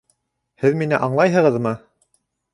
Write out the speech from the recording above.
Һеҙ мине аңлайһығыҙмы?